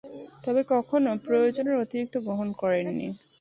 তবে কখনো প্রয়োজনের অতিরিক্ত গ্রহণ করেননি।